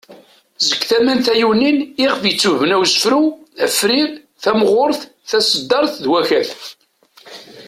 Seg tama n tayunin iɣef yettwabena usefru, afyir, tameɣrut ,taseddart ,d wakat.